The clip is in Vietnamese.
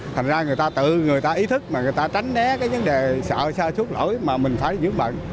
thành ra người ta tự người ta ý thức mà người ta tránh né cái vấn đề sợi xa suốt lỗi mà mình phải giữ mạnh